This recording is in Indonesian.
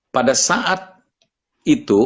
pada saat itu